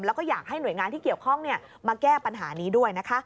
แล้วก็อยากให้หน่วยงานที่เกี่ยวข้องมาแก้ปัญหานี้ด้วยนะคะ